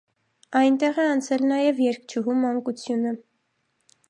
Այնտեղ է անցել նաև երգչուհու մանկությունը։